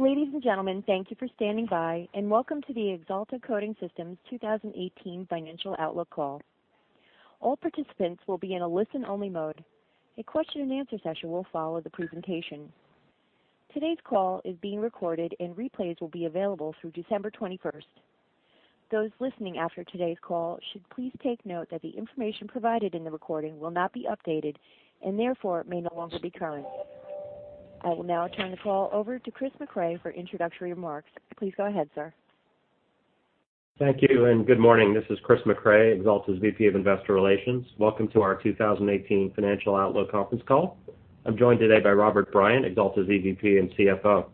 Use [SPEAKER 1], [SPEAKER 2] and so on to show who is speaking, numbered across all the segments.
[SPEAKER 1] Ladies and gentlemen, thank you for standing by, and welcome to the Axalta Coating Systems 2018 Financial Outlook Call. All participants will be in a listen-only mode. A question-and-answer session will follow the presentation. Today's call is being recorded and replays will be available through December 21st. Those listening after today's call should please take note that the information provided in the recording will not be updated and therefore may no longer be current. I will now turn the call over to Christopher Mecray for introductory remarks. Please go ahead, sir.
[SPEAKER 2] Thank you, and good morning. This is Christopher Mecray, Axalta's VP of Investor Relations. Welcome to our 2018 financial outlook conference call. I'm joined today by Robert Bryant, Axalta's EVP and CFO.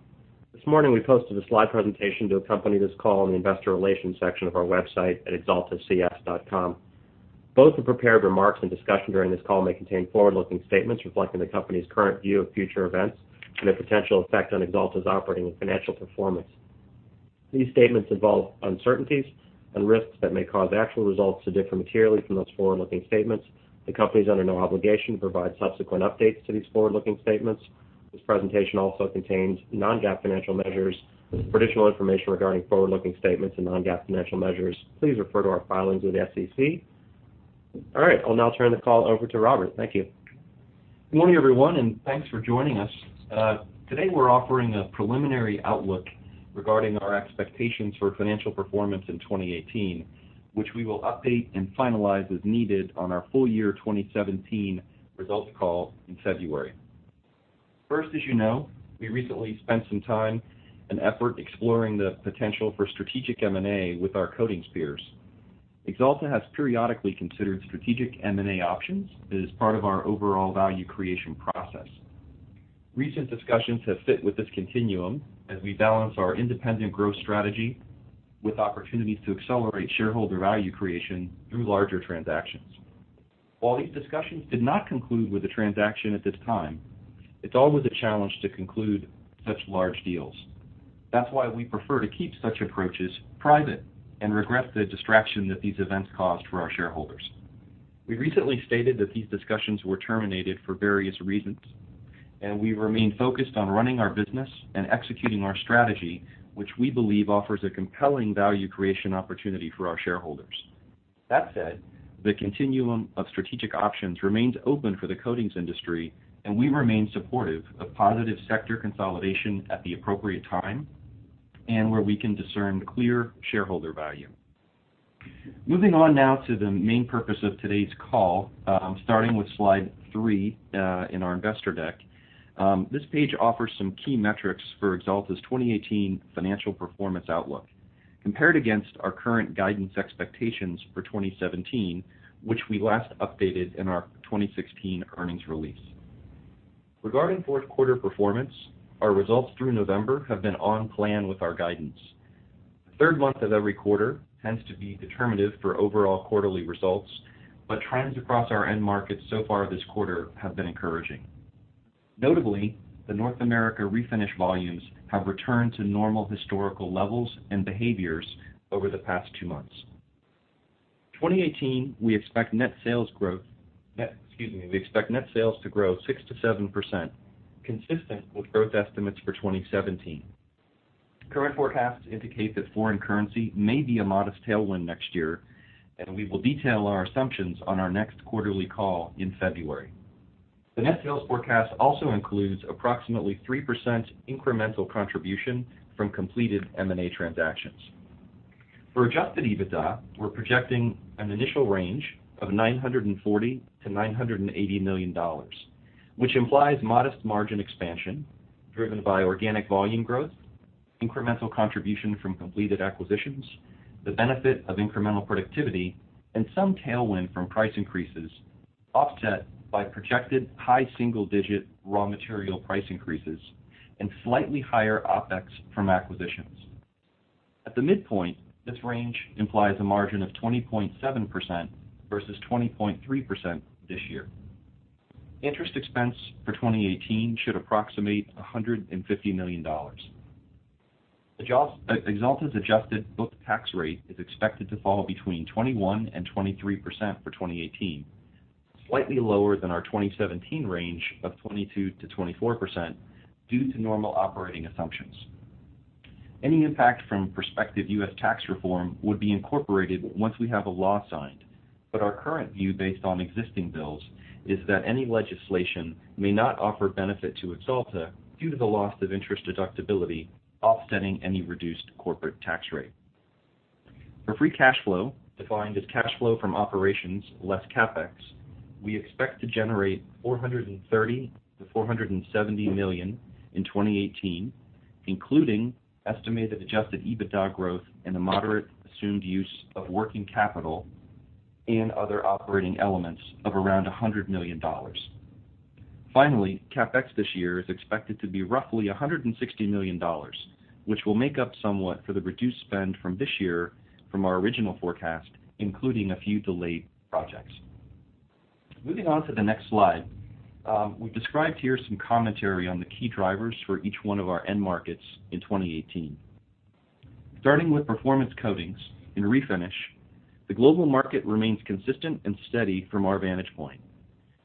[SPEAKER 2] This morning, we posted a slide presentation to accompany this call in the investor relations section of our website at axaltacs.com. Both the prepared remarks and discussion during this call may contain forward-looking statements reflecting the company's current view of future events and the potential effect on Axalta's operating and financial performance. These statements involve uncertainties and risks that may cause actual results to differ materially from those forward-looking statements. The company is under no obligation to provide subsequent updates to these forward-looking statements. This presentation also contains non-GAAP financial measures. For additional information regarding forward-looking statements and non-GAAP financial measures, please refer to our filings with the SEC. All right, I'll now turn the call over to Robert. Thank you.
[SPEAKER 3] Good morning, everyone, and thanks for joining us. Today, we're offering a preliminary outlook regarding our expectations for financial performance in 2018, which we will update and finalize as needed on our full year 2017 results call in February. First, as you know, we recently spent some time and effort exploring the potential for strategic M&A with our coatings peers. Axalta has periodically considered strategic M&A options as part of our overall value creation process. Recent discussions have fit with this continuum as we balance our independent growth strategy with opportunities to accelerate shareholder value creation through larger transactions. While these discussions did not conclude with a transaction at this time, it's always a challenge to conclude such large deals. That's why we prefer to keep such approaches private and regret the distraction that these events caused for our shareholders. We recently stated that these discussions were terminated for various reasons. We remain focused on running our business and executing our strategy, which we believe offers a compelling value creation opportunity for our shareholders. That said, the continuum of strategic options remains open for the coatings industry, and we remain supportive of positive sector consolidation at the appropriate time and where we can discern clear shareholder value. Moving on now to the main purpose of today's call, starting with slide three in our investor deck. This page offers some key metrics for Axalta's 2018 financial performance outlook compared against our current guidance expectations for 2017, which we last updated in our 2017 earnings release. Regarding fourth quarter performance, our results through November have been on plan with our guidance. The third month of every quarter tends to be determinative for overall quarterly results. Trends across our end markets so far this quarter have been encouraging. Notably, the North America Refinish volumes have returned to normal historical levels and behaviors over the past two months. In 2018, we expect net sales to grow 6%-7%, consistent with growth estimates for 2017. Current forecasts indicate that foreign currency may be a modest tailwind next year. We will detail our assumptions on our next quarterly call in February. The net sales forecast also includes approximately 3% incremental contribution from completed M&A transactions. For adjusted EBITDA, we're projecting an initial range of $940 million-$980 million, which implies modest margin expansion driven by organic volume growth, incremental contribution from completed acquisitions, the benefit of incremental productivity, and some tailwind from price increases, offset by projected high single-digit raw material price increases and slightly higher OpEx from acquisitions. At the midpoint, this range implies a margin of 20.7% versus 20.3% this year. Interest expense for 2018 should approximate $150 million. Axalta's adjusted book tax rate is expected to fall between 21% and 23% for 2018, slightly lower than our 2017 range of 22%-24% due to normal operating assumptions. Any impact from prospective U.S. tax reform would be incorporated once we have a law signed. Our current view based on existing bills is that any legislation may not offer benefit to Axalta due to the loss of interest deductibility offsetting any reduced corporate tax rate. For free cash flow, defined as cash flow from operations less CapEx, we expect to generate $430 million-$470 million in 2018, including estimated adjusted EBITDA growth and a moderate assumed use of working capital and other operating elements of around $100 million. Finally, CapEx this year is expected to be roughly $160 million, which will make up somewhat for the reduced spend from this year from our original forecast, including a few delayed projects. Moving on to the next slide. We've described here some commentary on the key drivers for each one of our end markets in 2018. Starting with Performance Coatings in Refinish, the global market remains consistent and steady from our vantage point.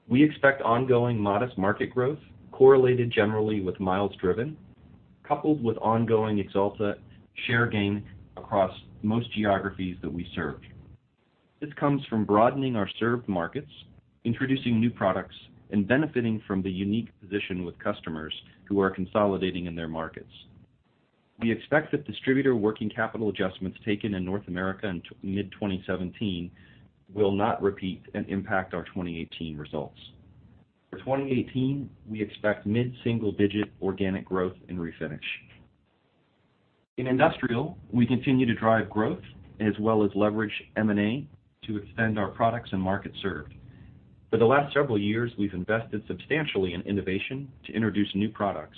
[SPEAKER 3] We expect ongoing modest market growth correlated generally with miles driven, coupled with ongoing Axalta share gain across most geographies that we serve. This comes from broadening our served markets, introducing new products, and benefiting from the unique position with customers who are consolidating in their markets. We expect that distributor working capital adjustments taken in North America in mid-2017 will not repeat and impact our 2018 results. For 2018, we expect mid-single-digit organic growth in Refinish. In Industrial, we continue to drive growth as well as leverage M&A to extend our products and market served. For the last several years, we've invested substantially in innovation to introduce new products,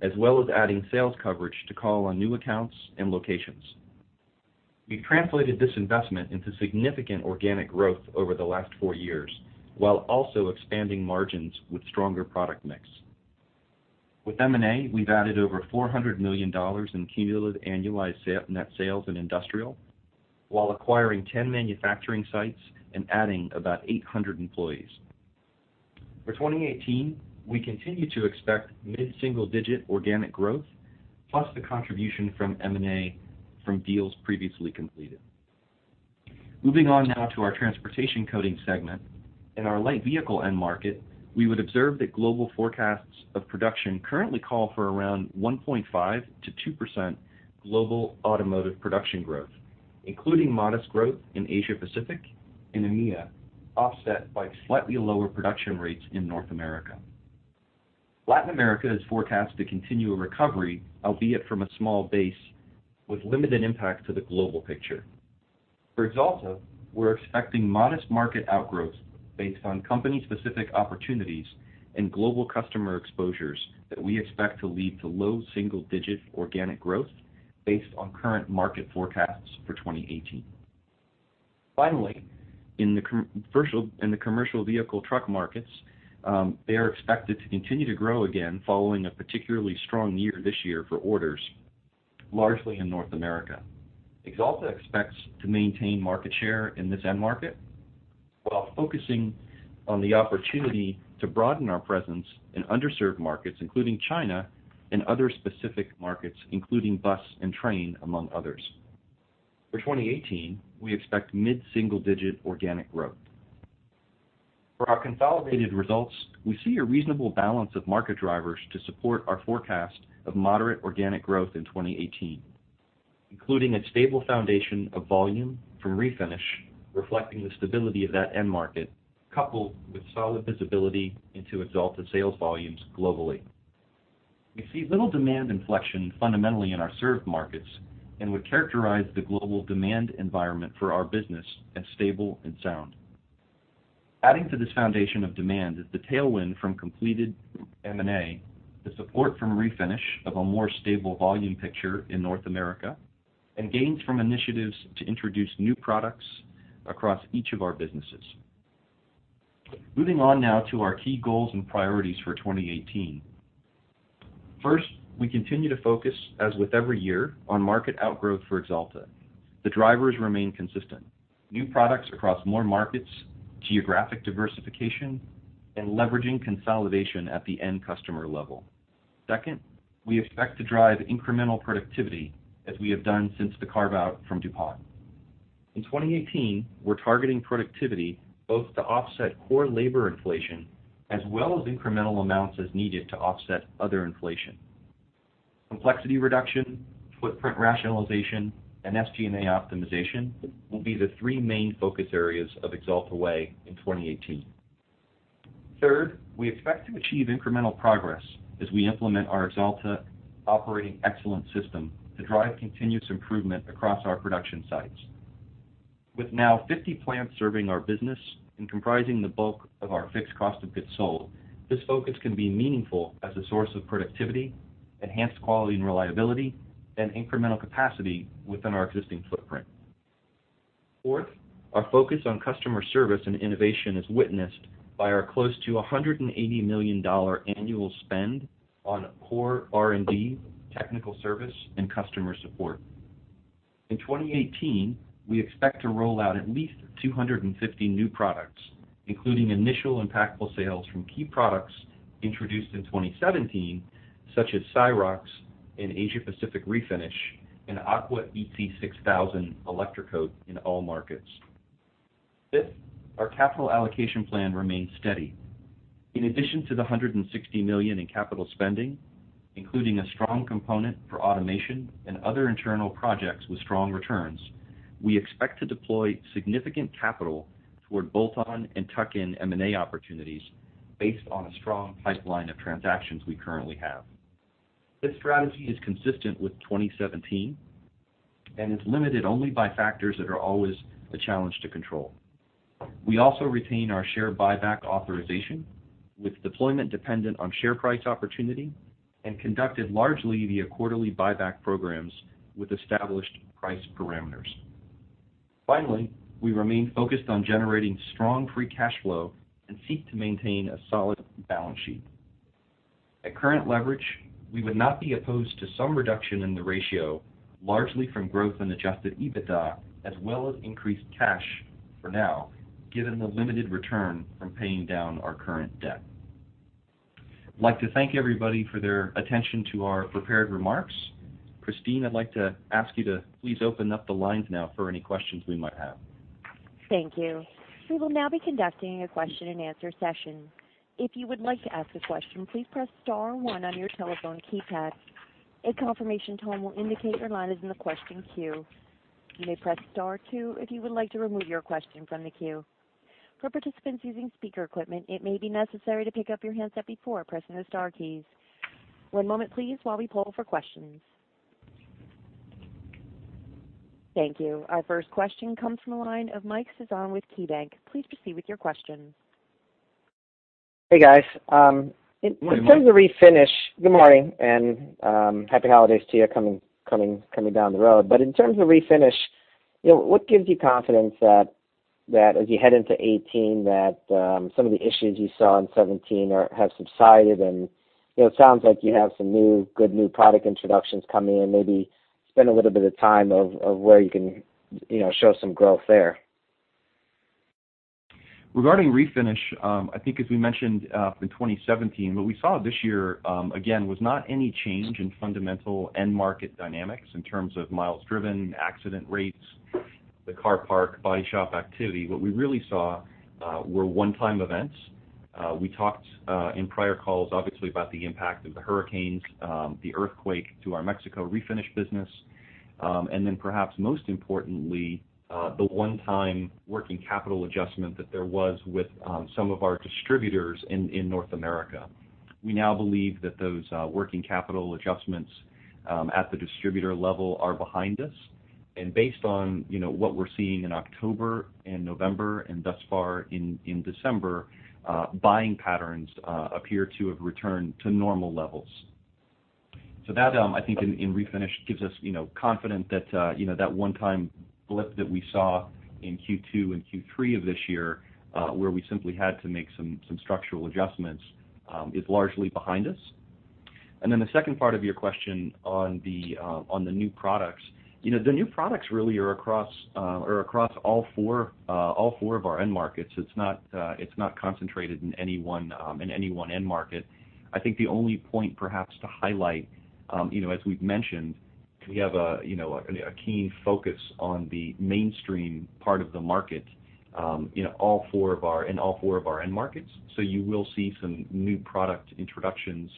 [SPEAKER 3] as well as adding sales coverage to call on new accounts and locations. We've translated this investment into significant organic growth over the last four years, while also expanding margins with stronger product mix. With M&A, we've added over $400 million in cumulative annualized net sales in Industrial while acquiring 10 manufacturing sites and adding about 800 employees. For 2018, we continue to expect mid-single-digit organic growth, plus the contribution from M&A from deals previously completed. Moving on now to our Mobility Coatings segment. In our Light Vehicle end market, we would observe that global forecasts of production currently call for around 1.5%-2% global automotive production growth, including modest growth in Asia Pacific and EMEA, offset by slightly lower production rates in North America. Latin America is forecast to continue a recovery, albeit from a small base, with limited impact to the global picture. For Axalta, we're expecting modest market outgrowths based on company-specific opportunities and global customer exposures that we expect to lead to low single-digit organic growth based on current market forecasts for 2018. Finally, in the Commercial Vehicle truck markets, they are expected to continue to grow again following a particularly strong year this year for orders, largely in North America. Axalta expects to maintain market share in this end market while focusing on the opportunity to broaden our presence in underserved markets, including China and other specific markets, including bus and train, among others. For 2018, we expect mid-single-digit organic growth. For our consolidated results, we see a reasonable balance of market drivers to support our forecast of moderate organic growth in 2018, including a stable foundation of volume from Refinish, reflecting the stability of that end market, coupled with solid visibility into Axalta sales volumes globally. We see little demand inflection fundamentally in our served markets and would characterize the global demand environment for our business as stable and sound. Adding to this foundation of demand is the tailwind from completed M&A, the support from Refinish of a more stable volume picture in North America, and gains from initiatives to introduce new products across each of our businesses. Moving on now to our key goals and priorities for 2018. First, we continue to focus, as with every year, on market outgrowth for Axalta. The drivers remain consistent. New products across more markets, geographic diversification, and leveraging consolidation at the end customer level. Second, we expect to drive incremental productivity as we have done since the carve-out from DuPont. In 2018, we're targeting productivity both to offset core labor inflation as well as incremental amounts as needed to offset other inflation. Complexity reduction, footprint rationalization, and SG&A optimization will be the three main focus areas of Axalta Way in 2018. Third, we expect to achieve incremental progress as we implement our Axalta Operational Excellence system to drive continuous improvement across our production sites. With now 50 plants serving our business and comprising the bulk of our fixed cost of goods sold, this focus can be meaningful as a source of productivity, enhanced quality and reliability, and incremental capacity within our existing footprint. Fourth, our focus on customer service and innovation is witnessed by our close to $180 million annual spend on core R&D, technical service, and customer support. In 2018, we expect to roll out at least 250 new products, including initial impactful sales from key products introduced in 2017, such as Syrox in Asia Pacific Refinish and AquaEC 6000 E-coat in all markets. Fifth, our capital allocation plan remains steady. In addition to the $160 million in capital spending, including a strong component for automation and other internal projects with strong returns, we expect to deploy significant capital toward bolt-on and tuck-in M&A opportunities based on a strong pipeline of transactions we currently have. This strategy is consistent with 2017 and is limited only by factors that are always a challenge to control. We also retain our share buyback authorization, with deployment dependent on share price opportunity and conducted largely via quarterly buyback programs with established price parameters. Finally, we remain focused on generating strong free cash flow and seek to maintain a solid balance sheet. At current leverage, we would not be opposed to some reduction in the ratio, largely from growth in adjusted EBITDA, as well as increased cash for now, given the limited return from paying down our current debt. I'd like to thank everybody for their attention to our prepared remarks. Christine, I'd like to ask you to please open up the lines now for any questions we might have.
[SPEAKER 1] Thank you. We will now be conducting a question and answer session. If you would like to ask a question, please press star one on your telephone keypad. A confirmation tone will indicate your line is in the question queue. You may press star two if you would like to remove your question from the queue. For participants using speaker equipment, it may be necessary to pick up your handset before pressing the star keys. One moment please while we poll for questions. Thank you. Our first question comes from the line of Mike Sison with KeyBanc. Please proceed with your question.
[SPEAKER 4] Hey, guys.
[SPEAKER 3] Good morning.
[SPEAKER 4] In terms of Refinish, good morning and happy holidays to you coming down the road. In terms of Refinish, what gives you confidence that as you head into 2018, that some of the issues you saw in 2017 have subsided and it sounds like you have some good new product introductions coming in, maybe spend a little bit of time of where you can show some growth there.
[SPEAKER 3] Regarding Refinish, I think as we mentioned, in 2017, what we saw this year, again, was not any change in fundamental end market dynamics in terms of miles driven, accident rates, the car park, body shop activity. What we really saw were one-time events. We talked in prior calls, obviously, about the impact of the hurricanes, the earthquake to our Mexico Refinish business. Then perhaps most importantly, the one-time working capital adjustment that there was with some of our distributors in North America. We now believe that those working capital adjustments at the distributor level are behind us. Based on what we're seeing in October and November and thus far in December, buying patterns appear to have returned to normal levels. That, I think, in Refinish gives us confidence that that one-time blip that we saw in Q2 and Q3 of this year, where we simply had to make some structural adjustments, is largely behind us. The second part of your question on the new products. The new products really are across all four of our end markets. It's not concentrated in any one end market. I think the only point perhaps to highlight, as we've mentioned, we have a keen focus on the mainstream part of the market in all four of our end markets. You will see some new product introductions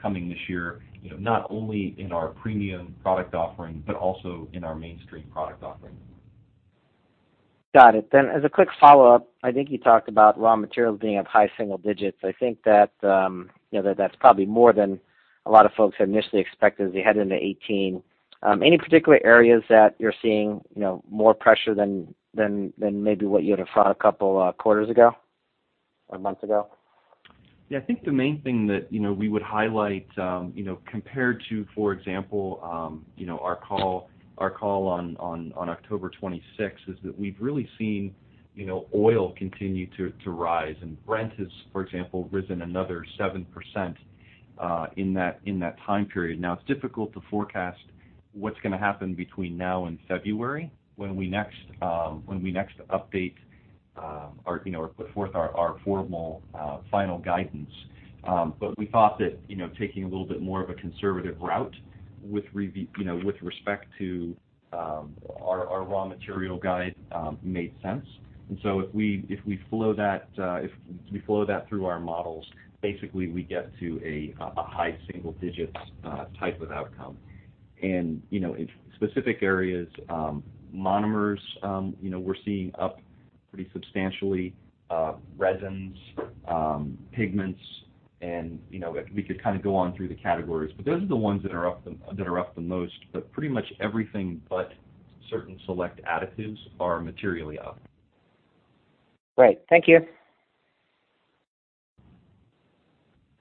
[SPEAKER 3] coming this year, not only in our premium product offering, but also in our mainstream product offering.
[SPEAKER 4] Got it. As a quick follow-up, I think you talked about raw materials being up high single digits. I think that's probably more than a lot of folks had initially expected as we head into 2018. Any particular areas that you're seeing more pressure than maybe what you had thought a couple quarters ago or months ago?
[SPEAKER 3] I think the main thing that we would highlight, compared to, for example, our call on October 26th, is that we've really seen oil continue to rise, and Brent has, for example, risen another 7% in that time period. It's difficult to forecast what's going to happen between now and February, when we next update or put forth our formal final guidance. We thought that taking a little bit more of a conservative route with respect to our raw material guide made sense. If we flow that through our models, basically we get to a high single digits type of outcome. In specific areas, monomers we're seeing up pretty substantially, resins, pigments, and we could go on through the categories, but those are the ones that are up the most, but pretty much everything but certain select additives are materially up.
[SPEAKER 4] Great. Thank you.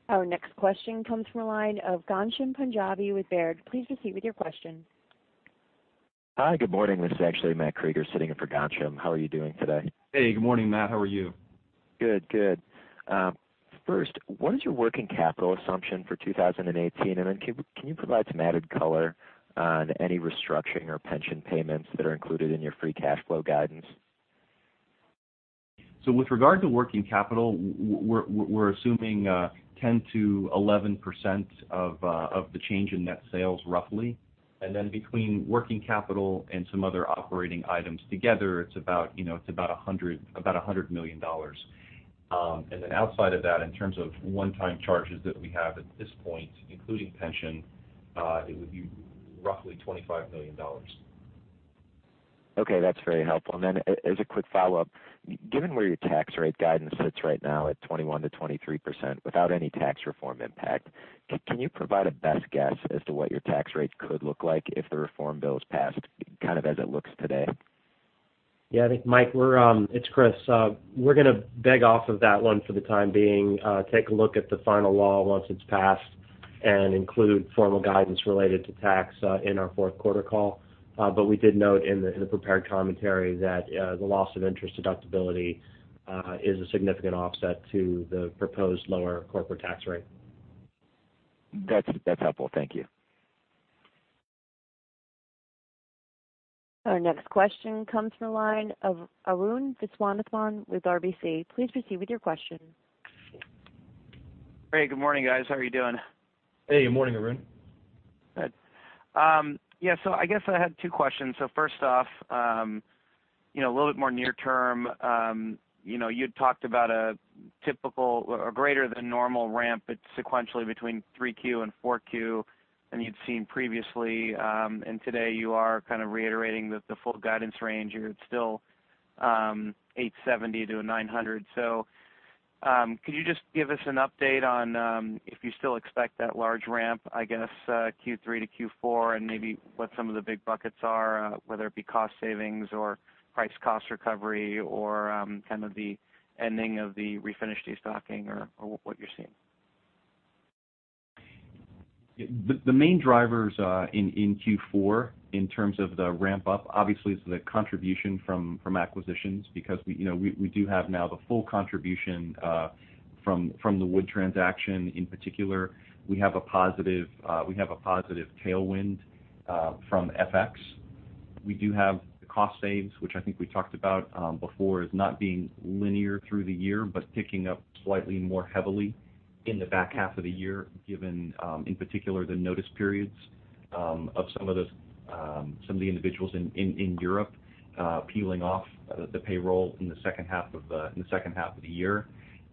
[SPEAKER 1] Our next question comes from the line of Ghansham Panjabi with Baird. Please proceed with your question.
[SPEAKER 5] Hi, good morning. This is actually Matthew Krueger sitting in for Ghansham. How are you doing today?
[SPEAKER 3] Hey, good morning, Matt, how are you?
[SPEAKER 5] Good. First, what is your working capital assumption for 2018? Then can you provide some added color on any restructuring or pension payments that are included in your free cash flow guidance?
[SPEAKER 3] With regard to working capital, we're assuming 10%-11% of the change in net sales roughly. Between working capital and some other operating items together, it's about $100 million. Outside of that, in terms of one-time charges that we have at this point, including pension, it would be roughly $25 million.
[SPEAKER 5] Okay. That's very helpful. As a quick follow-up, given where your tax rate guidance sits right now at 21%-23% without any tax reform impact, can you provide a best guess as to what your tax rates could look like if the reform bill is passed, kind of as it looks today?
[SPEAKER 2] Yeah, I think Mike, it's Chris. We're gonna beg off of that one for the time being, take a look at the final law once it's passed.
[SPEAKER 3] Include formal guidance related to tax in our fourth quarter call. We did note in the prepared commentary that the loss of interest deductibility is a significant offset to the proposed lower corporate tax rate.
[SPEAKER 5] That's helpful. Thank you.
[SPEAKER 1] Our next question comes from the line of Arun Viswanathan with RBC. Please proceed with your question.
[SPEAKER 6] Hey, good morning, guys. How are you doing?
[SPEAKER 3] Hey, good morning, Arun.
[SPEAKER 6] Good. I guess I had two questions. First off, a little bit more near term. You'd talked about a typical or greater than normal ramp, sequentially between three Q and four Q than you'd seen previously. Today you are kind of reiterating that the full guidance range, you're still $870-$900. Could you just give us an update on if you still expect that large ramp, I guess, Q3 to Q4, and maybe what some of the big buckets are, whether it be cost savings or price cost recovery or kind of the ending of the Refinish destocking or what you're seeing?
[SPEAKER 3] The main drivers in Q4 in terms of the ramp up, obviously, is the contribution from acquisitions because we do have now the full contribution from the wood transaction in particular. We have a positive tailwind from FX. We do have the cost saves, which I think we talked about before, as not being linear through the year, but picking up slightly more heavily in the back half of the year, given, in particular, the notice periods of some of the individuals in Europe peeling off the payroll in the second half of the year.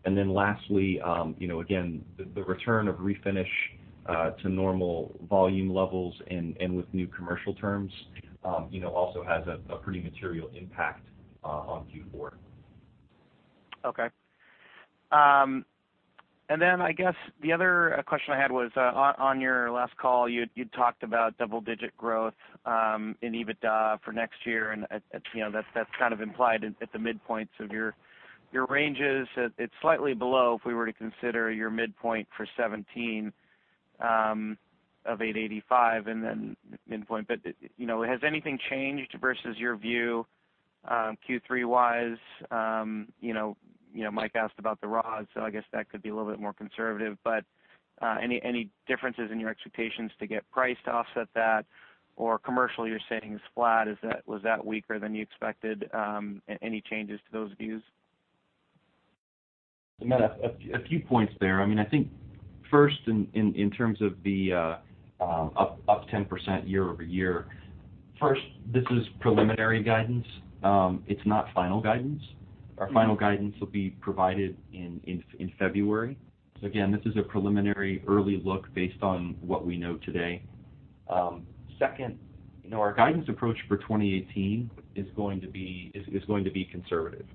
[SPEAKER 3] Lastly, again, the return of Refinish to normal volume levels and with new commercial terms also has a pretty material impact on Q4.
[SPEAKER 6] Okay. I guess the other question I had was, on your last call, you'd talked about double-digit growth in EBITDA for next year, and that's kind of implied at the midpoints of your ranges. It's slightly below if we were to consider your midpoint for 2017 of $885 and then midpoint. Has anything changed versus your view Q3-wise? Mike asked about the raws, I guess that could be a little bit more conservative, any differences in your expectations to get priced to offset that or commercially you're saying is flat, was that weaker than you expected? Any changes to those views?
[SPEAKER 3] A few points there. First in terms of the up 10% year-over-year. First, this is preliminary guidance. It's not final guidance. Our final guidance will be provided in February. Again, this is a preliminary early look based on what we know today. Second, our guidance approach for 2018 is going to be conservative.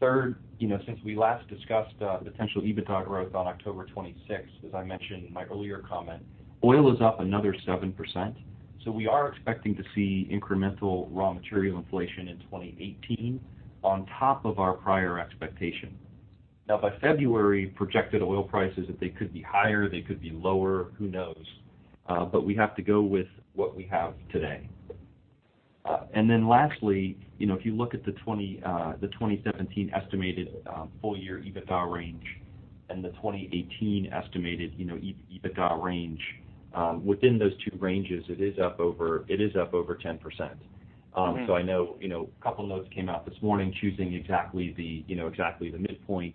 [SPEAKER 3] Third, since we last discussed potential EBITDA growth on October 26th, as I mentioned in my earlier comment, oil is up another 7%. We are expecting to see incremental raw material inflation in 2018 on top of our prior expectation. By February, projected oil prices, they could be higher, they could be lower, who knows? We have to go with what we have today. Lastly, if you look at the 2017 estimated full year EBITDA range and the 2018 estimated EBITDA range within those two ranges, it is up over 10%. I know a couple of notes came out this morning choosing exactly the midpoint.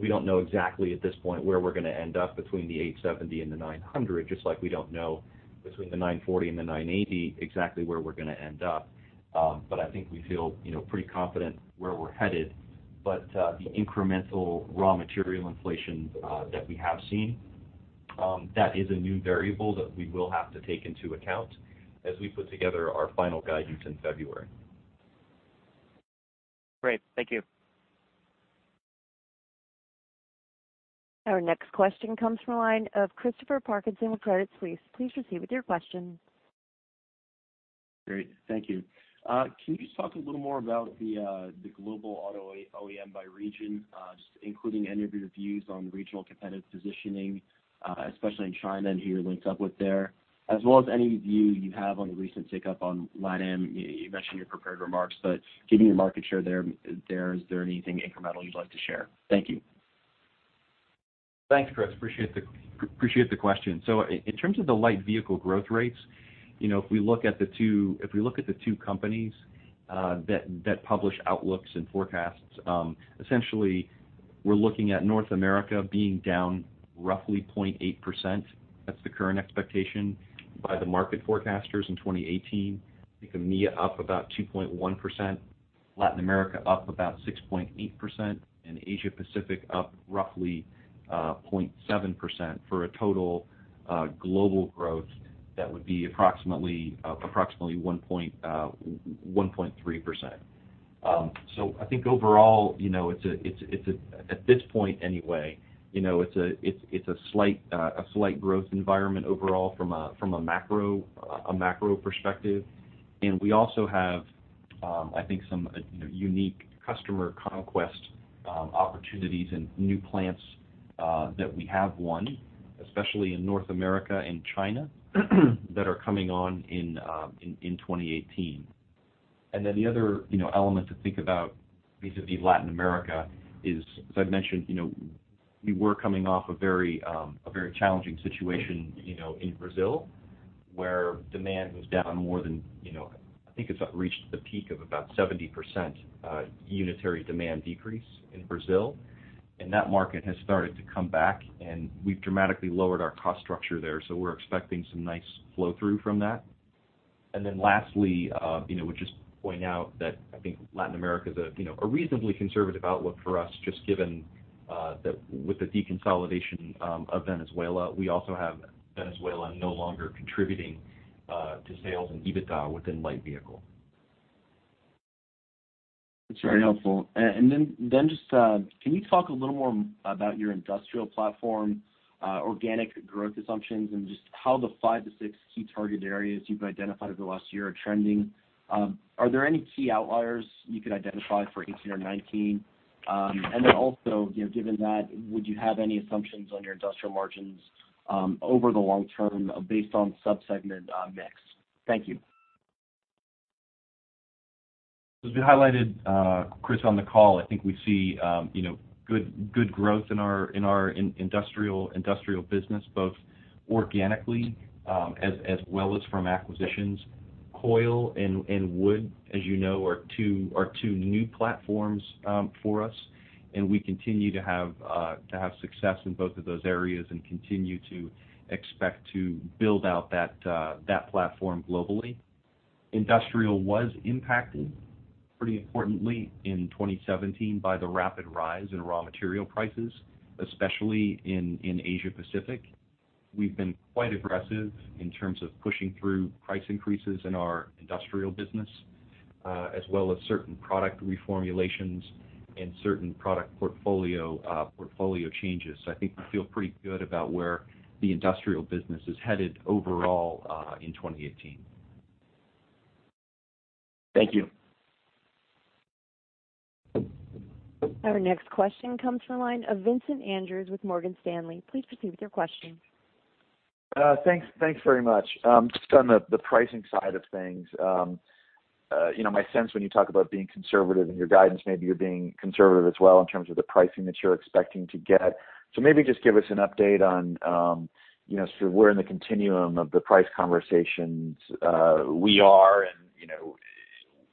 [SPEAKER 3] We don't know exactly at this point where we're going to end up between the $870 and the $900, just like we don't know between the $940 and the $980 exactly where we're going to end up. I think we feel pretty confident where we're headed. The incremental raw material inflation that we have seen, that is a new variable that we will have to take into account as we put together our final guidance in February.
[SPEAKER 6] Great. Thank you.
[SPEAKER 1] Our next question comes from the line of Christopher Parkinson with Credit Suisse. Please proceed with your question.
[SPEAKER 7] Great. Thank you. Can you just talk a little more about the global auto OEM by region? Including any of your views on regional competitive positioning, especially in China and who you're linked up with there, as well as any view you have on the recent tick-up on LATAM. You mentioned in your prepared remarks, given your market share there, is there anything incremental you'd like to share? Thank you.
[SPEAKER 3] Thanks, Chris. Appreciate the question. In terms of the Light Vehicle growth rates, if we look at the two companies that publish outlooks and forecasts, essentially we're looking at North America being down roughly 0.8%. That's the current expectation by the market forecasters in 2018. I think EMEA up about 2.1%, Latin America up about 6.8%, Asia Pacific up roughly 0.7%, for a total global growth that would be approximately 1.3%. I think overall, at this point anyway, it's a slight growth environment overall from a macro perspective. We also have I think some unique customer conquest opportunities in new plants that we have won, especially in North America and China that are coming on in 2018. The other element to think about vis-a-vis Latin America is, as I've mentioned, we were coming off a very challenging situation in Brazil, where demand was down more than, I think it reached the peak of about 70% unitary demand decrease in Brazil. That market has started to come back, and we've dramatically lowered our cost structure there, so we're expecting some nice flow-through from that. Lastly, would just point out that I think Latin America is a reasonably conservative outlook for us, just given that with the deconsolidation of Venezuela, we also have Venezuela no longer contributing to sales and EBITDA within Light Vehicle.
[SPEAKER 7] That's very helpful. Just can you talk a little more about your Industrial platform, organic growth assumptions, and just how the five to six key target areas you've identified over the last year are trending? Are there any key outliers you could identify for 2018 or 2019? Also, given that, would you have any assumptions on your Industrial margins over the long term based on sub-segment mix? Thank you.
[SPEAKER 3] As we highlighted, Chris, on the call, I think we see good growth in our Industrial business, both organically as well as from acquisitions. Coil and wood, as you know, are two new platforms for us, and we continue to have success in both of those areas and continue to expect to build out that platform globally. Industrial was impacted pretty importantly in 2017 by the rapid rise in raw material prices, especially in Asia Pacific. We've been quite aggressive in terms of pushing through price increases in our Industrial business, as well as certain product reformulations and certain product portfolio changes. I think we feel pretty good about where the Industrial business is headed overall in 2018.
[SPEAKER 7] Thank you.
[SPEAKER 1] Our next question comes from the line of Vincent Andrews with Morgan Stanley. Please proceed with your question.
[SPEAKER 8] Thanks very much. Just on the pricing side of things. My sense when you talk about being conservative in your guidance, maybe you're being conservative as well in terms of the pricing that you're expecting to get. Maybe just give us an update on sort of where in the continuum of the price conversations we are and,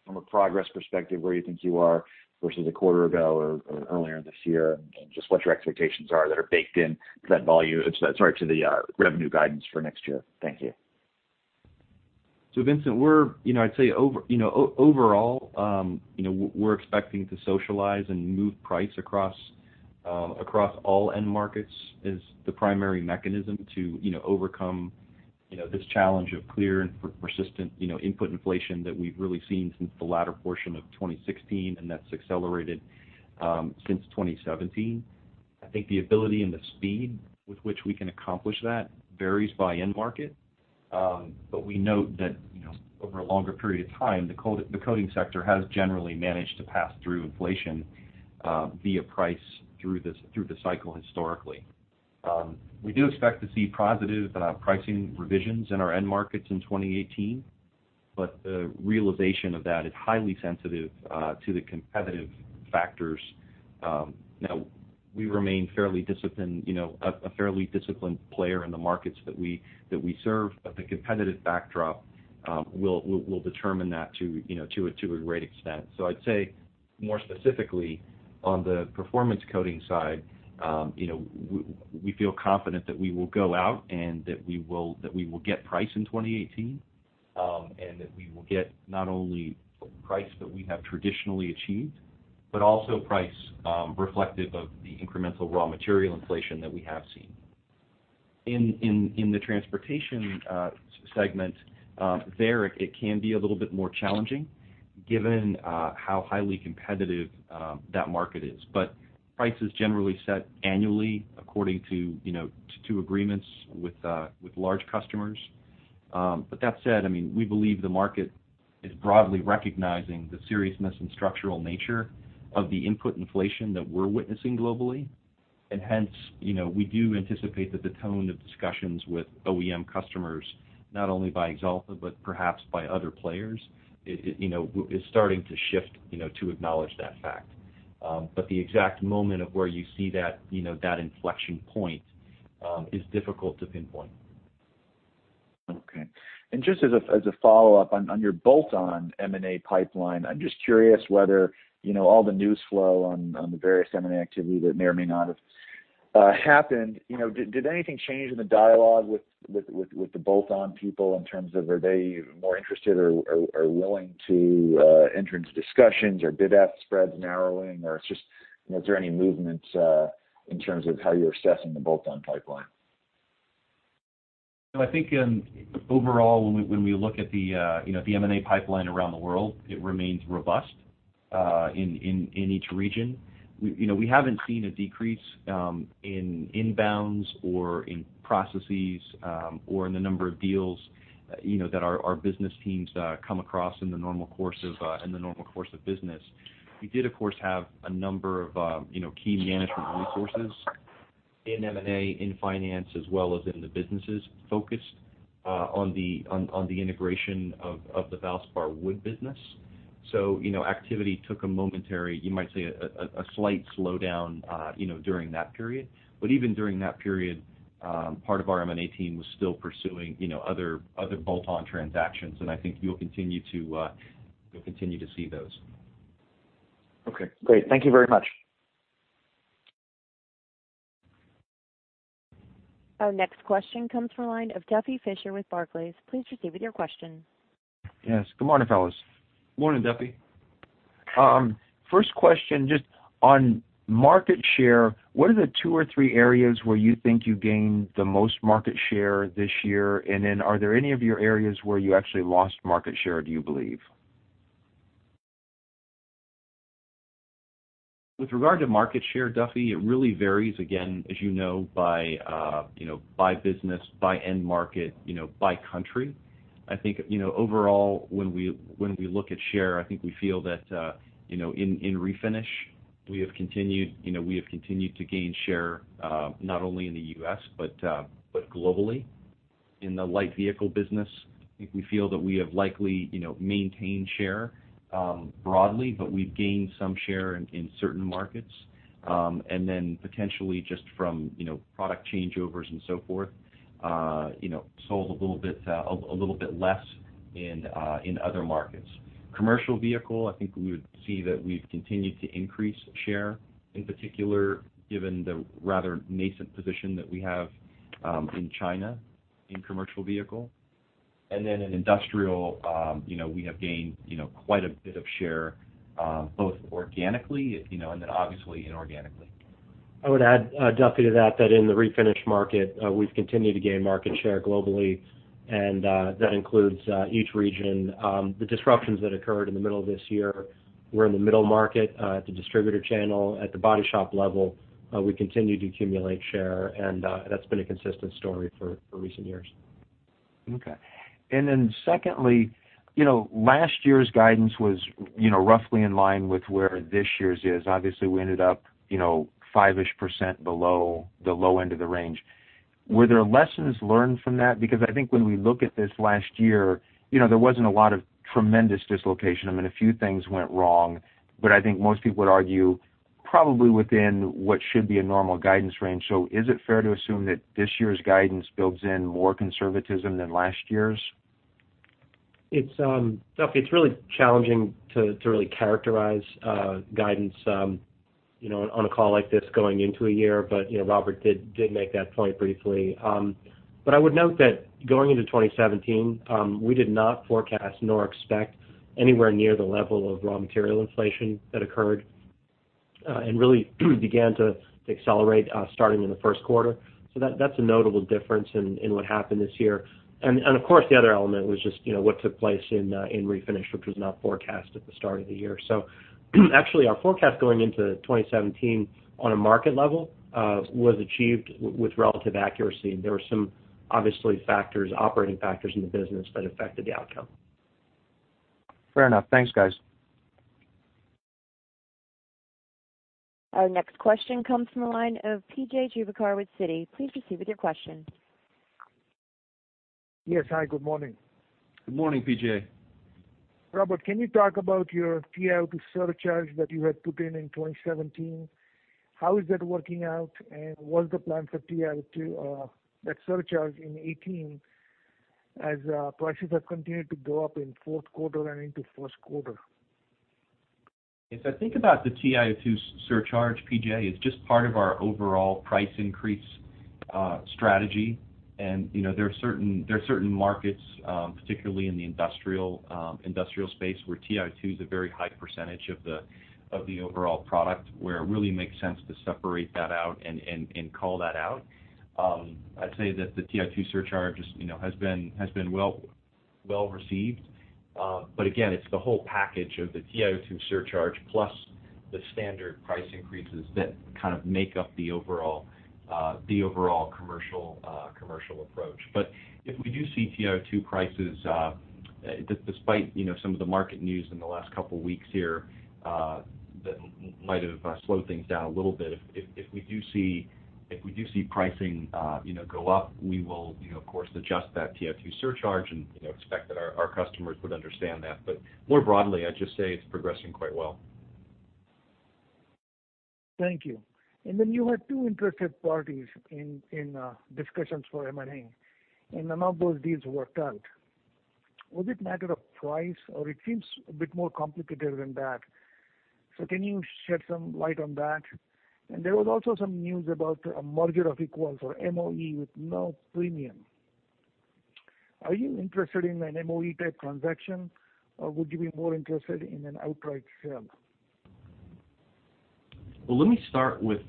[SPEAKER 8] from a progress perspective, where you think you are versus a quarter ago or earlier this year, and just what your expectations are that are baked into the revenue guidance for next year. Thank you.
[SPEAKER 3] Vincent, I'd say overall we're expecting to socialize and move price across all end markets as the primary mechanism to overcome this challenge of clear and persistent input inflation that we've really seen since the latter portion of 2016, and that's accelerated since 2017. I think the ability and the speed with which we can accomplish that varies by end market. We note that over a longer period of time, the coating sector has generally managed to pass through inflation via price through the cycle historically. We do expect to see positive pricing revisions in our end markets in 2018, but the realization of that is highly sensitive to the competitive factors. Now, we remain a fairly disciplined player in the markets that we serve, but the competitive backdrop will determine that to a great extent. I'd say more specifically on the Performance Coatings side, we feel confident that we will go out and that we will get price in 2018, and that we will get not only price that we have traditionally achieved, but also price reflective of the incremental raw material inflation that we have seen. In the transportation segment, there it can be a little bit more challenging given how highly competitive that market is. Price is generally set annually according to agreements with large customers. That said, we believe the market is broadly recognizing the seriousness and structural nature of the input inflation that we're witnessing globally. Hence, we do anticipate that the tone of discussions with OEM customers, not only by Axalta, but perhaps by other players, is starting to shift to acknowledge that fact. The exact moment of where you see that inflection point is difficult to pinpoint.
[SPEAKER 8] Okay. Just as a follow-up on your bolt-on M&A pipeline, I'm just curious whether all the news flow on the various M&A activity that may or may not have happened, did anything change in the dialogue with the bolt-on people in terms of are they more interested or willing to enter into discussions or did that spread narrowing or is there any movement in terms of how you're assessing the bolt-on pipeline?
[SPEAKER 3] I think overall, when we look at the M&A pipeline around the world, it remains robust. In each region. We haven't seen a decrease in inbounds or in processes, or in the number of deals that our business teams come across in the normal course of business. We did, of course, have a number of key management resources in M&A, in finance, as well as in the businesses focused on the integration of the Valspar wood business. Activity took a momentary, you might say, a slight slowdown during that period. Even during that period, part of our M&A team was still pursuing other bolt-on transactions, and I think you'll continue to see those.
[SPEAKER 8] Okay, great. Thank you very much.
[SPEAKER 1] Our next question comes from the line of Duffy Fischer with Barclays. Please proceed with your question.
[SPEAKER 9] Yes. Good morning, fellas.
[SPEAKER 3] Morning, Duffy.
[SPEAKER 9] First question, just on market share, what are the two or three areas where you think you gained the most market share this year? Are there any of your areas where you actually lost market share, do you believe?
[SPEAKER 3] With regard to market share, Duffy, it really varies, again, as you know, by business, by end market, by country. I think, overall, when we look at share, I think we feel that in Refinish, we have continued to gain share, not only in the U.S. but globally. In the Light Vehicle business, I think we feel that we have likely maintained share broadly, but we've gained some share in certain markets. Potentially just from product changeovers and so forth, sold a little bit less in other markets. Commercial Vehicle, I think we would see that we've continued to increase share, in particular, given the rather nascent position that we have in China in Commercial Vehicle. In Industrial, we have gained quite a bit of share, both organically, and then obviously inorganically.
[SPEAKER 2] I would add, Duffy, to that in the Refinish market, we've continued to gain market share globally. That includes each region. The disruptions that occurred in the middle of this year were in the middle market, at the distributor channel, at the body shop level. We continue to accumulate share. That's been a consistent story for recent years.
[SPEAKER 9] Secondly, last year's guidance was roughly in line with where this year's is. Obviously, we ended up 5-ish% below the low end of the range. Were there lessons learned from that? Because I think when we look at this last year, there wasn't a lot of tremendous dislocation. I mean, a few things went wrong, but I think most people would argue probably within what should be a normal guidance range. Is it fair to assume that this year's guidance builds in more conservatism than last year's?
[SPEAKER 2] Duffy, it's really challenging to really characterize guidance on a call like this going into a year, but Robert did make that point briefly. But I would note that going into 2017, we did not forecast nor expect anywhere near the level of raw material inflation that occurred, and really began to accelerate starting in the first quarter. That's a notable difference in what happened this year. Of course, the other element was just what took place in Refinish, which was not forecast at the start of the year. Actually, our forecast going into 2017 on a market level was achieved with relative accuracy, and there were some obviously operating factors in the business that affected the outcome.
[SPEAKER 9] Fair enough. Thanks, guys.
[SPEAKER 1] Our next question comes from the line of P.J. Juvekar with Citi. Please proceed with your question.
[SPEAKER 10] Yes. Hi, good morning.
[SPEAKER 3] Good morning, P.J.
[SPEAKER 10] Robert, can you talk about your TiO2 surcharge that you had put in in 2017? How is that working out, and what is the plan for that surcharge in 2018 as prices have continued to go up in fourth quarter and into first quarter?
[SPEAKER 3] If I think about the TiO2 surcharge, P.J., it's just part of our overall price increase strategy. There are certain markets, particularly in the Industrial space, where TiO2 is a very high percentage of the overall product, where it really makes sense to separate that out and call that out. I'd say that the TiO2 surcharge has been well received. Again, it's the whole package of the TiO2 surcharge plus the standard price increases that kind of make up the overall commercial approach. If we do see TiO2 prices, despite some of the market news in the last couple of weeks here that might have slowed things down a little bit. If we do see pricing go up, we will of course adjust that TiO2 surcharge and expect that our customers would understand that. More broadly, I'd just say it's progressing quite well.
[SPEAKER 10] Thank you. Then you had two interested parties in discussions for M&A, and none of those deals worked out. Was it matter of price, or it seems a bit more complicated than that? Can you shed some light on that? There was also some news about a merger of equals or MOE with no premium. Are you interested in an MOE-type transaction, or would you be more interested in an outright sale?
[SPEAKER 3] Well, let me start with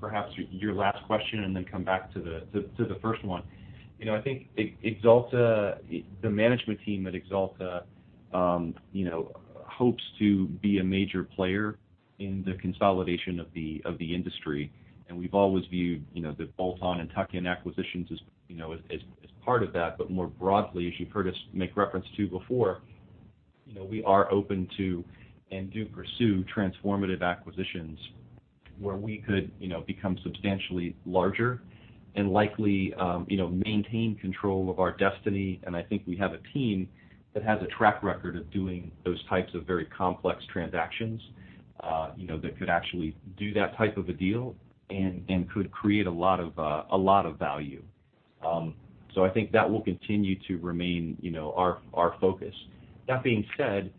[SPEAKER 3] perhaps your last question, then come back to the first one. I think the management team at Axalta hopes to be a major player in the consolidation of the industry, and we've always viewed the bolt-on and tuck-in acquisitions as part of that. More broadly, as you've heard us make reference to before, we are open to and do pursue transformative acquisitions where we could become substantially larger and likely maintain control of our destiny. I think we have a team that has a track record of doing those types of very complex transactions that could actually do that type of a deal and could create a lot of value. I think that will continue to remain our focus. That being said,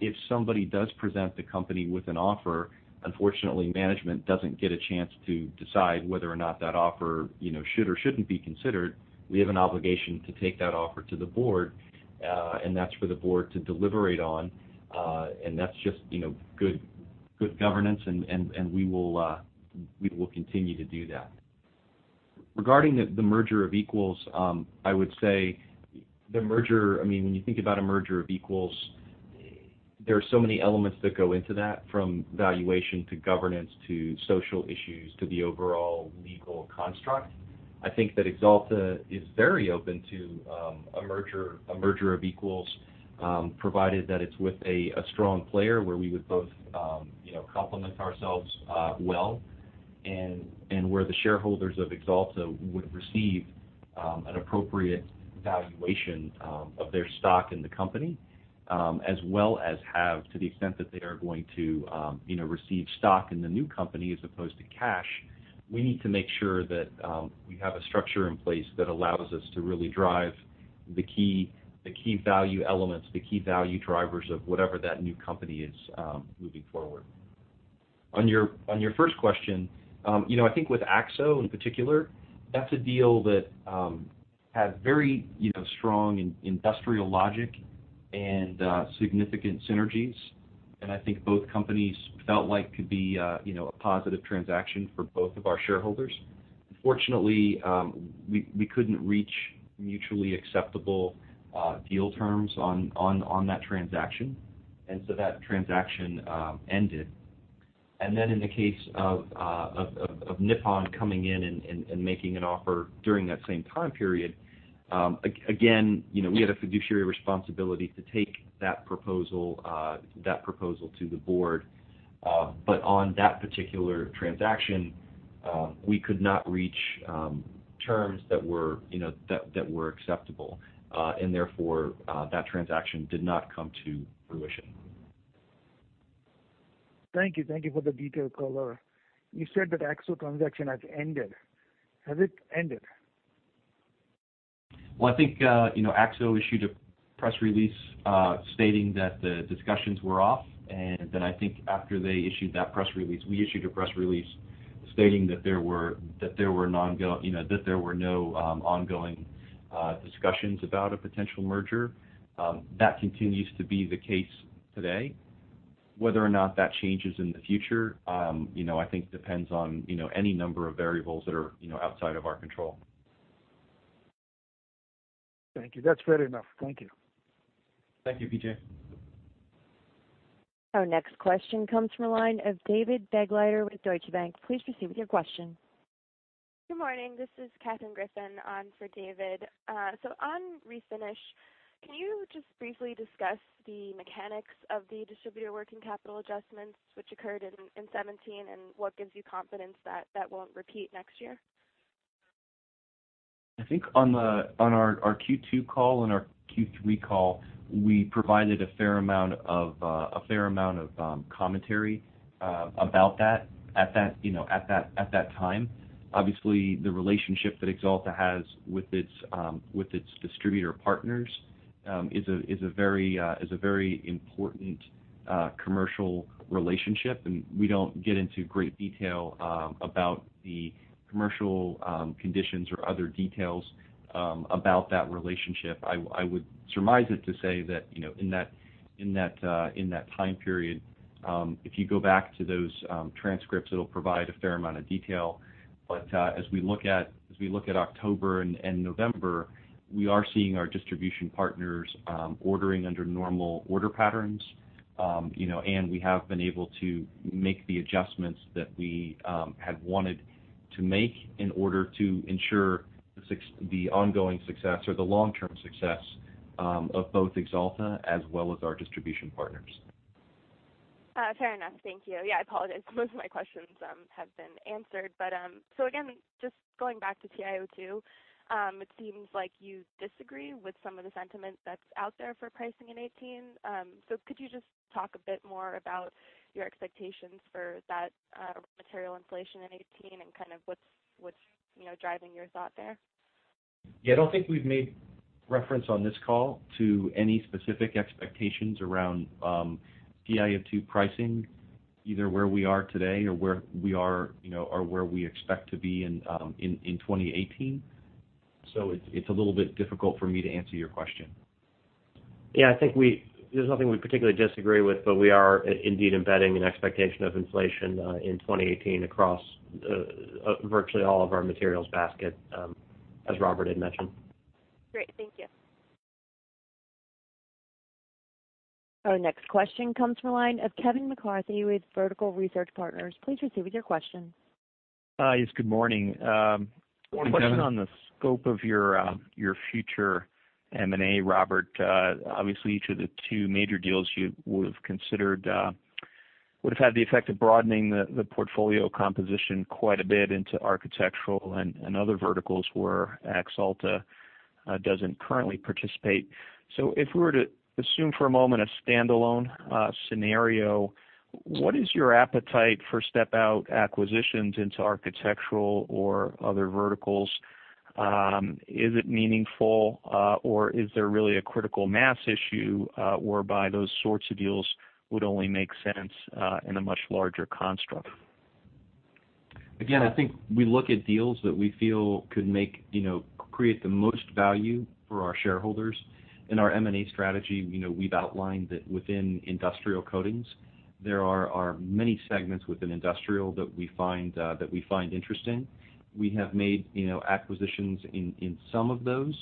[SPEAKER 3] if somebody does present the company with an offer, unfortunately, management doesn't get a chance to decide whether or not that offer should or shouldn't be considered. We have an obligation to take that offer to the board, that's for the board to deliberate on. That's just good governance, and we will continue to do that. Regarding the merger of equals, I would say when you think about a merger of equals, there are so many elements that go into that, from valuation to governance to social issues to the overall legal construct. I think that Axalta is very open to a merger of equals, provided that it's with a strong player where we would both complement ourselves well, and where the shareholders of Axalta would receive an appropriate valuation of their stock in the company. As well as have to the extent that they are going to receive stock in the new company as opposed to cash. We need to make sure that we have a structure in place that allows us to really drive the key value elements, the key value drivers of whatever that new company is moving forward. On your first question, I think with Akzo in particular, that's a deal that had very strong industrial logic and significant synergies. I think both companies felt like could be a positive transaction for both of our shareholders. Unfortunately, we couldn't reach mutually acceptable deal terms on that transaction, so that transaction ended. Then in the case of Nippon coming in and making an offer during that same time period, again, we had a fiduciary responsibility to take that proposal to the board. On that particular transaction, we could not reach terms that were acceptable. Therefore, that transaction did not come to fruition.
[SPEAKER 10] Thank you for the detailed color. You said that AkzoNobel transaction has ended. Has it ended?
[SPEAKER 3] Well, I think AkzoNobel issued a press release stating that the discussions were off, and then I think after they issued that press release, we issued a press release stating that there were no ongoing discussions about a potential merger. That continues to be the case today. Whether or not that changes in the future, I think depends on any number of variables that are outside of our control.
[SPEAKER 10] Thank you. That's fair enough. Thank you.
[SPEAKER 3] Thank you, P.J.
[SPEAKER 1] Our next question comes from the line of David Begleiter with Deutsche Bank. Please proceed with your question.
[SPEAKER 11] Good morning. This is Katherine Griffin on for David. On Refinish, can you just briefly discuss the mechanics of the distributor working capital adjustments which occurred in 2017, and what gives you confidence that that won't repeat next year?
[SPEAKER 3] I think on our Q2 call and our Q3 call, we provided a fair amount of commentary about that at that time. Obviously, the relationship that Axalta has with its distributor partners is a very important commercial relationship, and we don't get into great detail about the commercial conditions or other details about that relationship. I would surmise it to say that in that time period, if you go back to those transcripts, it'll provide a fair amount of detail. As we look at October and November, we are seeing our distribution partners ordering under normal order patterns. We have been able to make the adjustments that we had wanted to make in order to ensure the ongoing success or the long-term success of both Axalta as well as our distribution partners.
[SPEAKER 11] Fair enough. Thank you. I apologize. Most of my questions have been answered. Again, just going back to TiO2, it seems like you disagree with some of the sentiment that's out there for pricing in 2018. Could you just talk a bit more about your expectations for that material inflation in 2018 and kind of what's driving your thought there?
[SPEAKER 3] I don't think we've made reference on this call to any specific expectations around TiO2 pricing, either where we are today or where we expect to be in 2018. It's a little bit difficult for me to answer your question.
[SPEAKER 2] I think there's nothing we particularly disagree with, we are indeed embedding an expectation of inflation in 2018 across virtually all of our materials basket, as Robert had mentioned.
[SPEAKER 11] Great. Thank you.
[SPEAKER 1] Our next question comes from the line of Kevin McCarthy with Vertical Research Partners. Please proceed with your question.
[SPEAKER 12] Yes. Good morning.
[SPEAKER 3] Good morning, Kevin.
[SPEAKER 12] A question on the scope of your future M&A, Robert. Obviously, each of the two major deals you would've considered would've had the effect of broadening the portfolio composition quite a bit into architectural and other verticals where Axalta doesn't currently participate. If we were to assume for a moment a standalone scenario, what is your appetite for step out acquisitions into architectural or other verticals? Is it meaningful, or is there really a critical mass issue, whereby those sorts of deals would only make sense in a much larger construct?
[SPEAKER 3] I think we look at deals that we feel could create the most value for our shareholders. In our M&A strategy, we've outlined that within Industrial Coatings, there are many segments within Industrial that we find interesting. We have made acquisitions in some of those,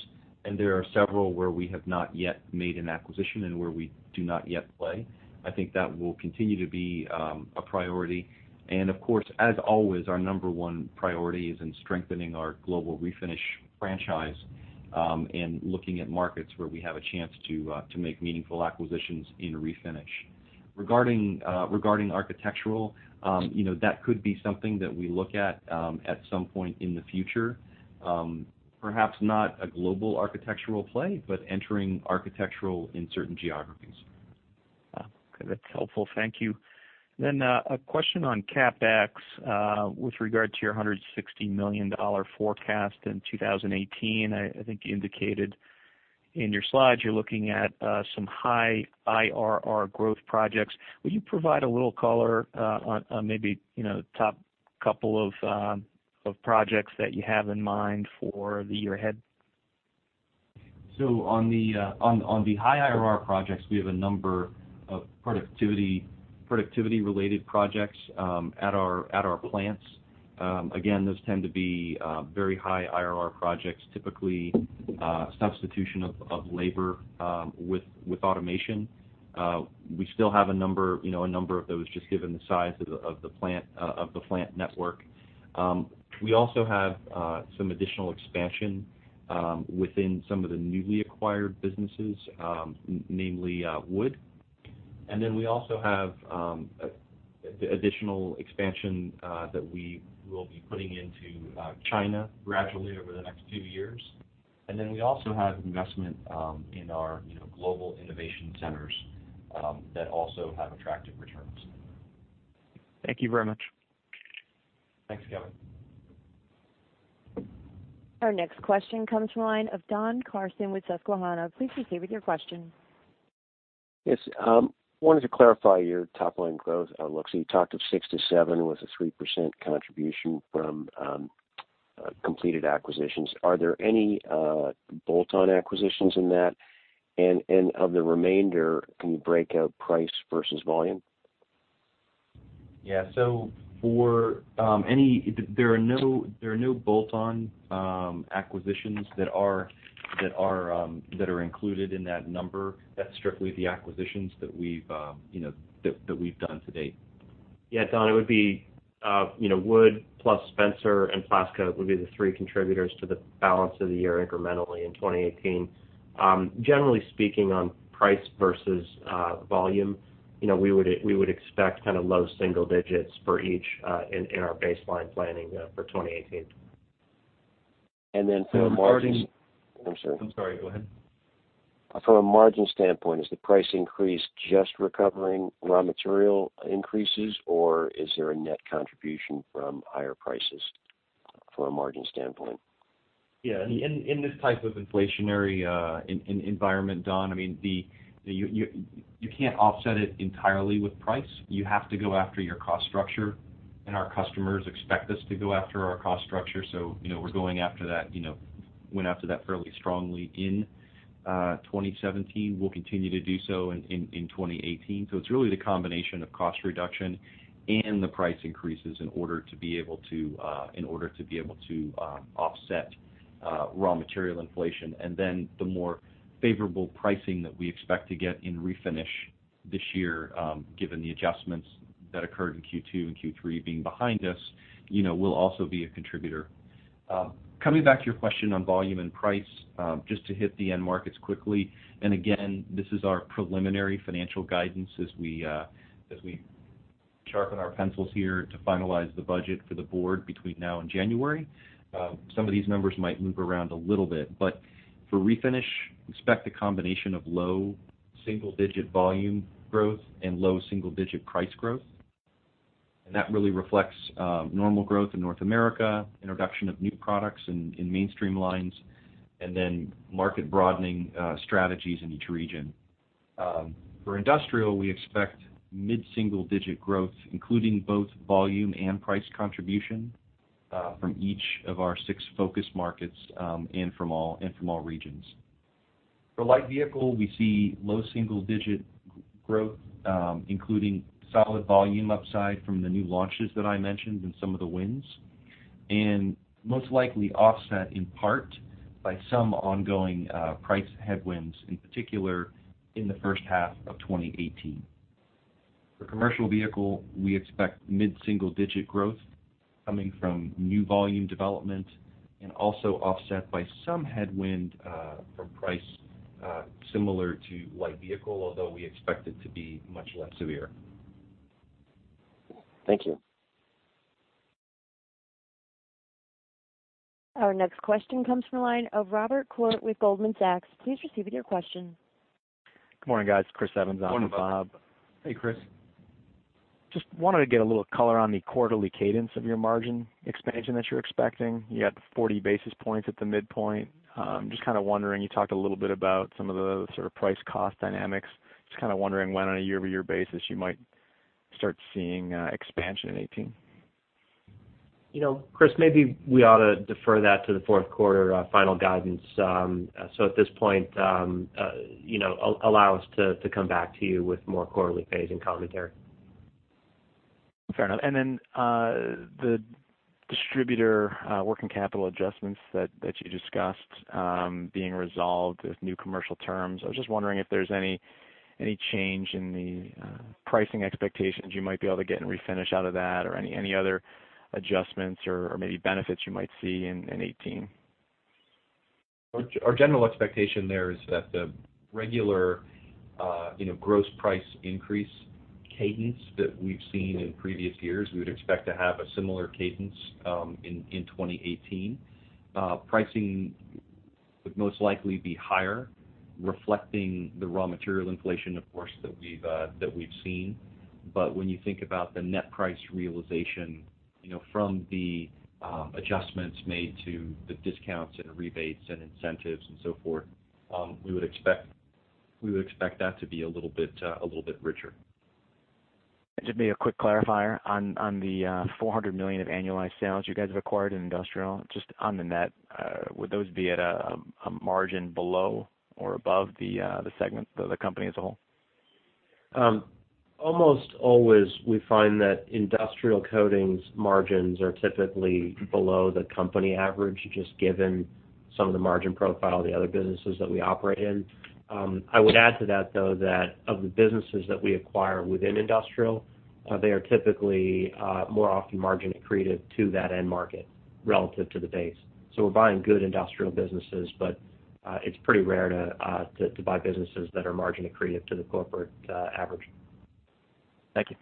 [SPEAKER 3] and there are several where we have not yet made an acquisition and where we do not yet play. I think that will continue to be a priority. Of course, as always, our number one priority is in strengthening our global Refinish franchise, and looking at markets where we have a chance to make meaningful acquisitions in Refinish. Regarding architectural, that could be something that we look at some point in the future. Perhaps not a global architectural play, but entering architectural in certain geographies.
[SPEAKER 12] Okay. That's helpful. Thank you. A question on CapEx, with regard to your $160 million forecast in 2018. I think you indicated in your slides you're looking at some high IRR growth projects. Will you provide a little color on maybe, top couple of projects that you have in mind for the year ahead?
[SPEAKER 3] On the high IRR projects, we have a number of productivity-related projects at our plants. Those tend to be very high IRR projects, typically substitution of labor with automation. We still have a number of those, just given the size of the plant network. We also have some additional expansion within some of the newly acquired businesses, namely wood. We also have additional expansion that we will be putting into China gradually over the next few years. We also have investment in our global innovation centers that also have attractive returns.
[SPEAKER 12] Thank you very much.
[SPEAKER 3] Thanks, Kevin.
[SPEAKER 1] Our next question comes from the line of Don Carson with Susquehanna. Please proceed with your question.
[SPEAKER 13] Yes. Wanted to clarify your top-line growth outlook. You talked of 6%-7% with a 3% contribution from completed acquisitions. Are there any bolt-on acquisitions in that? Of the remainder, can you break out price versus volume?
[SPEAKER 3] Yeah. There are no bolt-on acquisitions that are included in that number. That's strictly the acquisitions that we've done to date.
[SPEAKER 2] Yeah, Don, it would be wood plus Spencer and Plascoat would be the three contributors to the balance of the year incrementally in 2018. Generally speaking on price versus volume, we would expect kind of low single digits for each in our baseline planning for 2018.
[SPEAKER 13] From a margin-
[SPEAKER 3] I'm sorry.
[SPEAKER 2] I'm sorry. Go ahead.
[SPEAKER 13] From a margin standpoint, is the price increase just recovering raw material increases, or is there a net contribution from higher prices from a margin standpoint?
[SPEAKER 3] Yeah. In this type of inflationary environment, Don, you can't offset it entirely with price. You have to go after your cost structure, and our customers expect us to go after our cost structure, so we went after that fairly strongly in 2017. We'll continue to do so in 2018. It's really the combination of cost reduction and the price increases in order to be able to offset raw material inflation. The more favorable pricing that we expect to get in Refinish this year, given the adjustments that occurred in Q2 and Q3 being behind us, will also be a contributor. Coming back to your question on volume and price, just to hit the end markets quickly. Again, this is our preliminary financial guidance as we sharpen our pencils here to finalize the budget for the board between now and January. Some of these numbers might move around a little bit. For Refinish, expect a combination of low single-digit volume growth and low single-digit price growth. That really reflects normal growth in North America, introduction of new products in mainstream lines, and market broadening strategies in each region. For Industrial, we expect mid-single-digit growth, including both volume and price contribution. From each of our six focus markets and from all regions. For Light Vehicle, we see low single-digit growth, including solid volume upside from the new launches that I mentioned and some of the wins, most likely offset in part by some ongoing price headwinds, in particular, in the first half of 2018. For Commercial Vehicle, we expect mid-single-digit growth coming from new volume development and also offset by some headwind from price, similar to Light Vehicle, although we expect it to be much less severe.
[SPEAKER 13] Thank you.
[SPEAKER 1] Our next question comes from the line of Robert Koort with Goldman Sachs. Please proceed with your question.
[SPEAKER 14] Good morning, guys. Christopher Evans on for Bob.
[SPEAKER 3] Hey, Chris.
[SPEAKER 14] Just wanted to get a little color on the quarterly cadence of your margin expansion that you're expecting. You had the 40 basis points at the midpoint. I'm just kind of wondering, you talked a little bit about some of the sort of price cost dynamics. Just kind of wondering when on a year-over-year basis you might start seeing expansion in 2018.
[SPEAKER 3] Chris, maybe we ought to defer that to the fourth quarter final guidance. At this point, allow us to come back to you with more quarterly pacing commentary.
[SPEAKER 14] Fair enough. Then the distributor working capital adjustments that you discussed being resolved with new commercial terms. I was just wondering if there's any change in the pricing expectations you might be able to get in Refinish out of that or any other adjustments or maybe benefits you might see in 2018.
[SPEAKER 3] Our general expectation there is that the regular gross price increase cadence that we've seen in previous years, we would expect to have a similar cadence in 2018. Pricing would most likely be higher, reflecting the raw material inflation, of course, that we've seen. When you think about the net price realization from the adjustments made to the discounts and rebates and incentives and so forth, we would expect that to be a little bit richer.
[SPEAKER 14] Just maybe a quick clarifier on the $400 million of annualized sales you guys have acquired in Industrial. Just on the net, would those be at a margin below or above the company as a whole?
[SPEAKER 3] Almost always, we find that Industrial Coatings margins are typically below the company average, just given some of the margin profile of the other businesses that we operate in. I would add to that, though, that of the businesses that we acquire within Industrial, they are typically more often margin accretive to that end market relative to the base. We're buying good industrial businesses, but it's pretty rare to buy businesses that are margin accretive to the corporate average.
[SPEAKER 14] Thank you.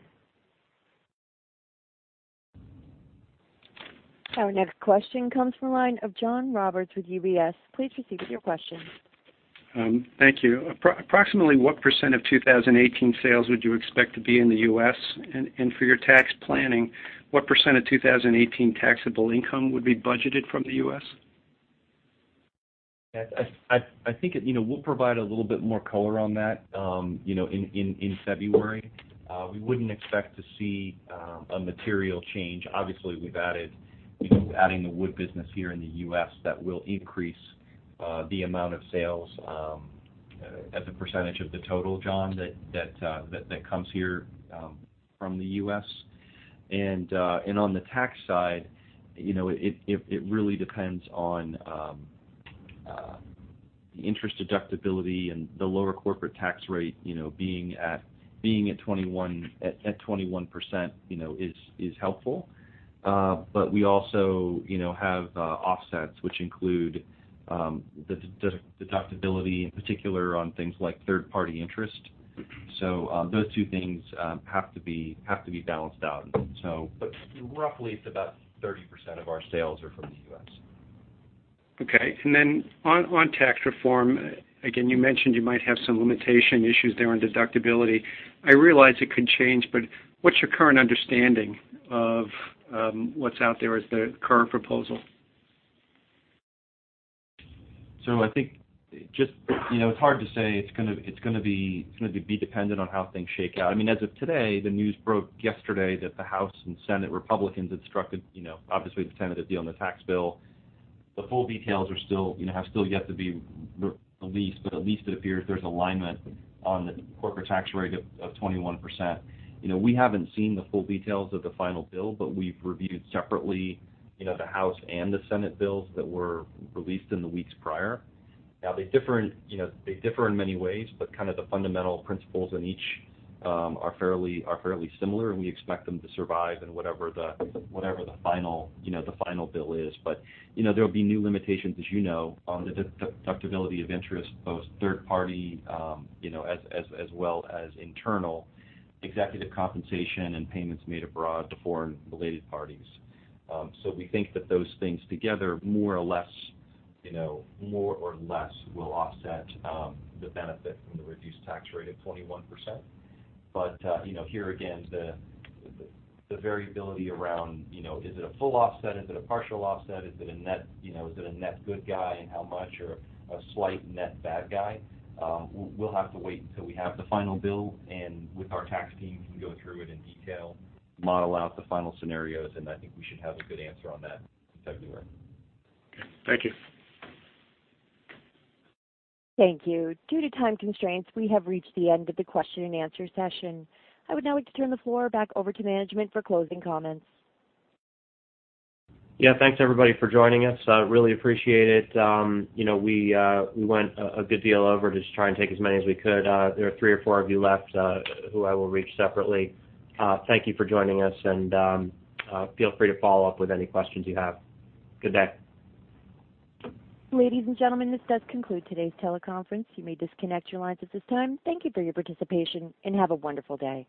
[SPEAKER 1] Our next question comes from the line of John Roberts with UBS. Please proceed with your question.
[SPEAKER 15] Thank you. Approximately what % of 2018 sales would you expect to be in the U.S.? For your tax planning, what % of 2018 taxable income would be budgeted from the U.S.?
[SPEAKER 3] I think we'll provide a little bit more color on that in February. We wouldn't expect to see a material change. Obviously, we've added the wood business here in the U.S. that will increase the amount of sales as a percentage of the total, John, that comes here from the U.S. On the tax side, it really depends on the interest deductibility and the lower corporate tax rate. Being at 21% is helpful. We also have offsets which include the deductibility, in particular on things like third-party interest. Those two things have to be balanced out. Roughly it's about 30% of our sales are from the U.S.
[SPEAKER 15] Okay. Then on tax reform, again, you mentioned you might have some limitation issues there on deductibility. I realize it could change, but what's your current understanding of what's out there as the current proposal?
[SPEAKER 3] I think it's hard to say. It's going to be dependent on how things shake out. As of today, the news broke yesterday that the House and Senate Republicans had struck, obviously, the tentative deal on the tax bill. The full details have still yet to be released, but at least it appears there's alignment on the corporate tax rate of 21%. We haven't seen the full details of the final bill, but we've reviewed separately the House and the Senate bills that were released in the weeks prior. Now, they differ in many ways, but kind of the fundamental principles in each are fairly similar, and we expect them to survive in whatever the final bill is. There'll be new limitations, as you know, on the deductibility of interest, both third party, as well as internal executive compensation and payments made abroad to foreign related parties. We think that those things together, more or less, will offset the benefit from the reduced tax rate of 21%. Here again, the variability around, is it a full offset? Is it a partial offset? Is it a net good guy and how much? A slight net bad guy? We'll have to wait until we have the final bill, and with our tax team can go through it in detail, model out the final scenarios, and I think we should have a good answer on that in February.
[SPEAKER 15] Okay. Thank you.
[SPEAKER 1] Thank you. Due to time constraints, we have reached the end of the question and answer session. I would now like to turn the floor back over to management for closing comments.
[SPEAKER 3] Yeah, thanks everybody for joining us. Really appreciate it. We went a good deal over just to try and take as many as we could. There are three or four of you left who I will reach separately. Thank you for joining us, and feel free to follow up with any questions you have. Good day.
[SPEAKER 1] Ladies and gentlemen, this does conclude today's teleconference. You may disconnect your lines at this time. Thank you for your participation, and have a wonderful day.